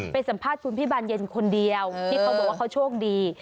สัมภาษณ์คุณพี่บานเย็นคนเดียวที่เขาบอกว่าเขาโชคดี